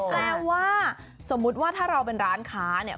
แปลว่าสมมุติว่าถ้าเราเป็นร้านค้าเนี่ย